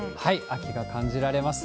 秋が感じられます。